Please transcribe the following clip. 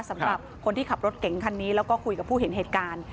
สำหรับคนที่ขับรถเก่งคันนี้แล้วก็คุยกับผู้เห็นเหตุการณ์